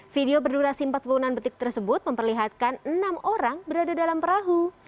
video berdurasi empat puluh enam detik tersebut memperlihatkan enam orang berada dalam perahu